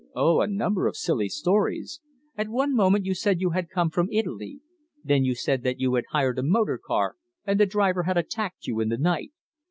"Oh! a number of silly stories. At one moment you said you had come from Italy. Then you said that you had hired a motor car and the driver had attacked you in the night.